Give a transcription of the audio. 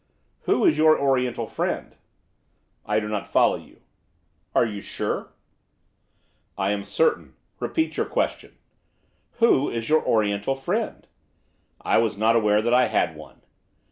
'Who is your Oriental friend?' 'I do not follow you.' 'Are you sure?' 'I am certain. Repeat your question.' 'Who is your Oriental friend?' 'I was not aware that I had one.